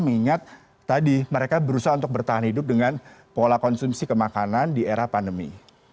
mengingat tadi mereka berusaha untuk bertahan hidup dengan pola konsumsi kemakanan di era pandemi